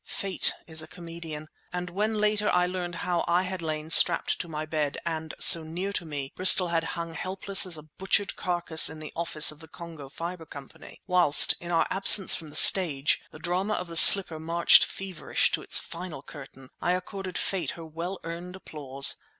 Fate is a comedian; and when later I learned how I had lain strapped to my bed, and, so near to me, Bristol had hung helpless as a butchered carcass in the office of the Congo Fibre Company, whilst, in our absence from the stage, the drama of the slipper marched feverish to its final curtain, I accorded Fate her well earned applause.